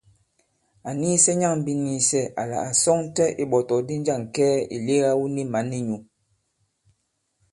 Ǎ nīīsɛ̄ nyâŋ biniisɛ àla à sɔŋtɛ ìɓɔ̀tɔ̀kdi njâŋ kɛɛ ì lega wu ni mǎn i nyū.